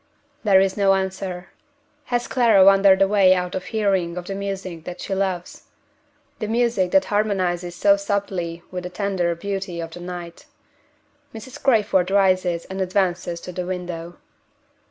There is no answer. Has Clara wandered away out of hearing of the music that she loves the music that harmonizes so subtly with the tender beauty of the night? Mrs. Crayford rises and advances to the window.